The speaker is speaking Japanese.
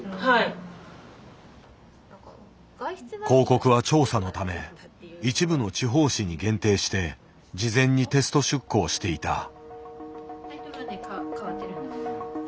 広告は調査のため一部の地方紙に限定して事前にテスト出稿していた。